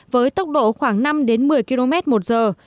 với tốc độ khoảng năm một mươi km một giờ